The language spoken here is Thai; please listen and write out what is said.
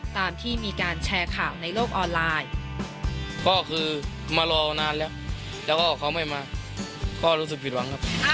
ตามที่มีการแชร์ข่าวในโลกออนไลน์